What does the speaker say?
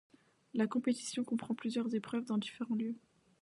La compétition comprend plusieurs épreuves dans différents lieux.